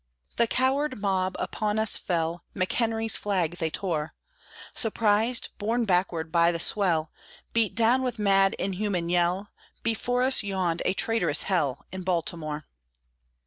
The coward mob upon us fell: McHenry's flag they tore: Surprised, borne backward by the swell, Beat down with mad, inhuman yell, Before us yawned a traitorous hell In Baltimore!